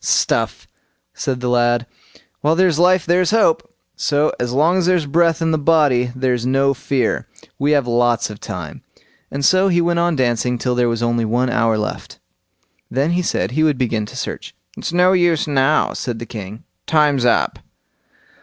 "Stuff!" said the lad; "while there's life there's hope! So long as there's breath in the body there's no fear; we have lots of time"; and so he went on dancing till there was only one hour left. Then he said he would begin to search. "It's no use now", said the king; "time's up."